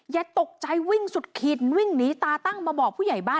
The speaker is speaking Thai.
ยายตกใจวิ่งสุดขิดวิ่งหนีตาตั้งมาบอกผู้ใหญ่บ้าน